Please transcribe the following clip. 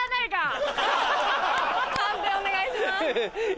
判定お願いします。